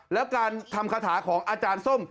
แล้วการทำคาถาของอาจารย์ส้ม